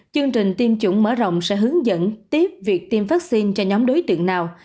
chương trình tiêm chủng mở rộng sẽ hướng dẫn tiếp việc tiêm vaccine cho nhóm đối tượng nào